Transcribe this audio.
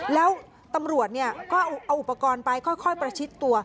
แล้วตำรวจก็เอาอุปกรณ์ไปค่อยประชิดตัว